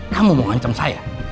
kamu mau ngancam saya